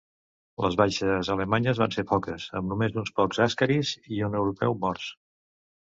Les baixes alemanyes van ser poques, amb només uns pocs àscaris i un europeu morts.